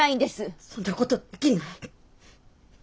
そんなことできない。